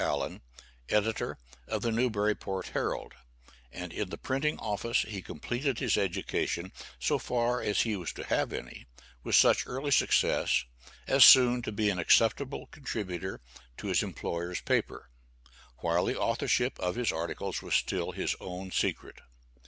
Allen, editor of the "Newburyport Herald," and in the printing office he completed his education, so far as he was to have any, with such early success, as soon to be an acceptable contributor to his employer's paper, while the authorship of his articles was still his own secret.